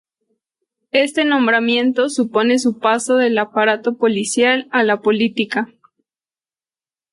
Este nombramiento supone su paso del aparato policial a la política.